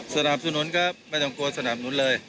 สนามสู่น้นครับไม่ต้องกลัวสนามนู้นเลย